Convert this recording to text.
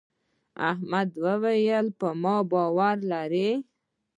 احمد وويل: پر ما باور لرې.